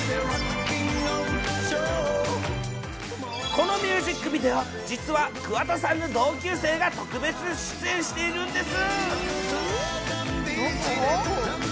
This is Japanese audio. このミュージックビデオ、実は桑田さんの同級生が特別出演しているんです。